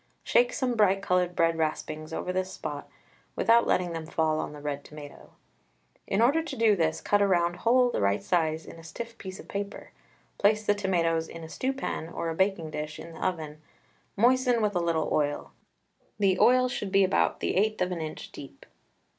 Shake some bright coloured bread raspings over this spot without letting them fall on the red tomato. In order to do this, cut a round hole the right size in a stiff piece of paper. Place the tomatoes in a stew pan or a baking dish in the oven, moistened with a little oil. The oil should be about the eighth of an inch deep.